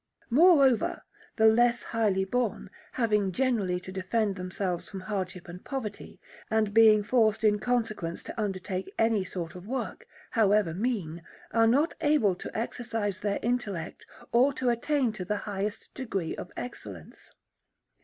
Moreover, the less highly born, having generally to defend themselves from hardship and poverty, and being forced in consequence to undertake any sort of work, however mean, are not able to exercise their intellect, or to attain to the highest degree of excellence.